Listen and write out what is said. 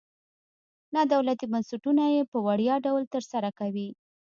نادولتي بنسټونه یې په وړیا ډول تر سره کوي.